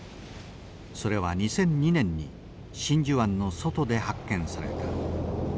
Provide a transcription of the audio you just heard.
それは２００２年に真珠湾の外で発見された。